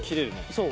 そう。